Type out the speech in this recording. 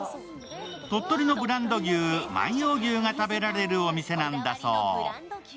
鳥取のブランド牛、万葉牛が食べられるお店なんだそう。